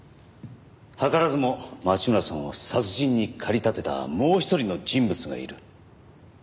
図らずも町村さんを殺人に駆り立てたもう一人の人物がいる。